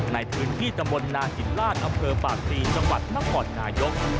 ในพื้นที่จำนวนนาจิตราชอัพเฟอร์ปากตรีจังหวัดนับหม่อนนายก